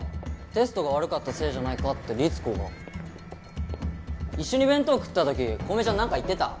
テストが悪かったせいじゃないかって律子が一緒に弁当食ったとき小梅ちゃん何か言ってた？